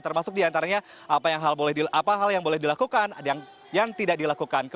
termasuk diantaranya apa hal yang boleh dilakukan yang tidak dilakukan